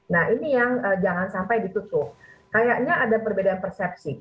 nah ini yang jangan sampai ditutup kayaknya ada perbedaan persepsi